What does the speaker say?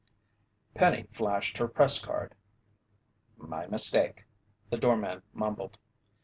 Penny flashed her press card. "My mistake," the doorman mumbled.